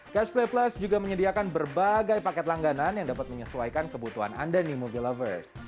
catch play plus juga menyediakan berbagai paket langganan yang dapat menyesuaikan kebutuhan anda di mobile lovers